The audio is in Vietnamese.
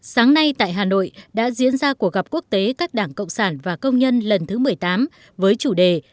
sáng nay tại hà nội đã diễn ra cuộc gặp quốc tế các đảng cộng sản và công nhân lần thứ một mươi tám với chủ đề